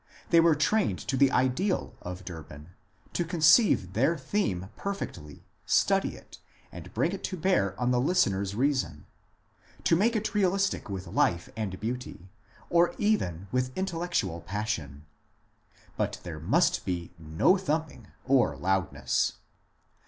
They were trained to the ideal of Durbin, to conceive their theme perfectly, study it, and bring it to bear on the listener's reason, to make it realistic with life and beauty, or even with intellectual passion. But there must be no thumping or loudness.